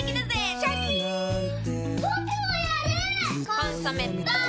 「コンソメ」ポン！